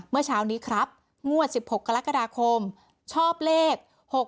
เมื่อเช้านี้ครับงวด๑๖กรกฎาคมชอบเลข๖๖